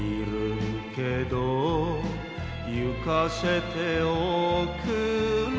「行かせておくれ」